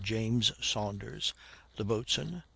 James Saunders, the boatswain.